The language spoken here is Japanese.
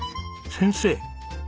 先生？